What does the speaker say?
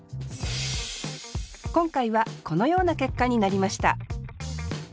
今回はこのような結果になりました